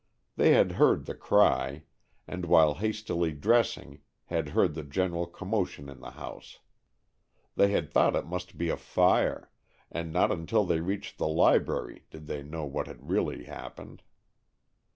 They had heard the cry, and while hastily dressing had heard the general commotion in the house. They had thought it must be a fire, and not until they reached the library did they know what had really happened.